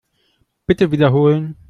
Bitte wiederholen.